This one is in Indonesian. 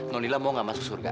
non lila mau gak masuk surga